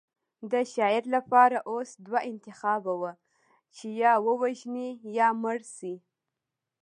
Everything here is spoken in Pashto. د شاعر لپاره اوس دوه انتخابه وو چې یا ووژني یا مړ شي